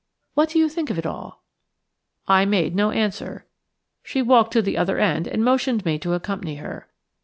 What do you think of it all?" I made no answer. She walked to the other end and motioned to me to accompany her.